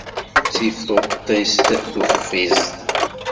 Ttif tuṭṭist tuffiẓt.